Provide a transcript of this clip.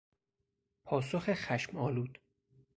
پاسخ خشمآلود